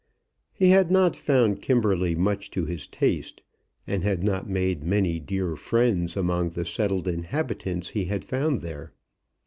He had not found Kimberley much to his taste, and had not made many dear friends among the settled inhabitants he had found there.